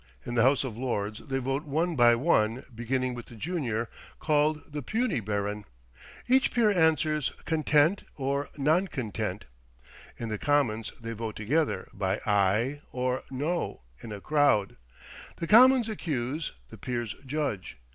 In the House of Lords they vote one by one, beginning with the junior, called the puisne baron. Each peer answers "Content," or "Non content." In the Commons they vote together, by "Aye," or "No," in a crowd. The Commons accuse, the peers judge.